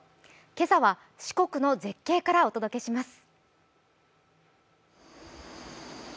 今朝は四国の絶景からお届けします。